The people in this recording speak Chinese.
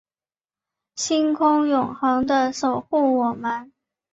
星空永恒的守护我们